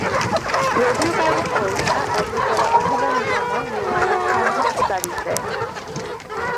Radiocarbon পরীক্ষা Agricola অভিযানের সময় নির্মাণের সম্ভাব্য তারিখ দেয়।